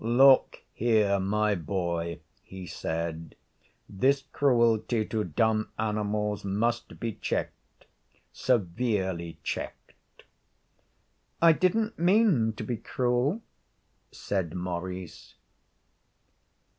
'Look here, my boy,' he said. 'This cruelty to dumb animals must be checked severely checked.' 'I didn't mean to be cruel,' said Maurice.